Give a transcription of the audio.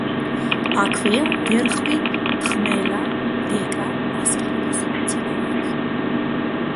აქვეა ვერხვი, თხმელა, დეკა, ასკილი და სხვა მცენარეები.